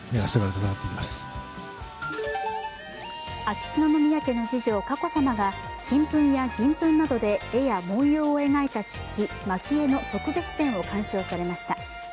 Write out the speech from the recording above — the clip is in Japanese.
秋篠宮家の次女・佳子さまが金粉や銀粉などで絵や文様を描いた漆器、蒔絵の特別展を鑑賞されました。